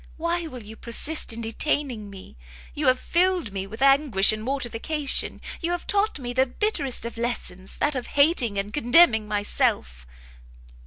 why will you persist in detaining me? You have filled me with anguish and mortification, you have taught me the bitterest of lessons, that of hating and contemning myself!"